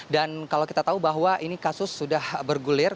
dan kalau kita tahu bahwa ini kasus sudah bergulir